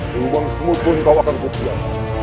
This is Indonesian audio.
di ruang semut pun kau akan kekuat